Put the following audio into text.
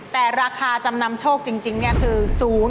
แต่ราคาจำนำโชคจริงนี่คือ๐๒๖๔๘